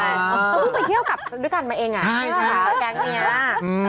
เค้าพึ่งไปเที่ยวกับด้วยกันมาเองอ่ะแมงเงี๊ยใช่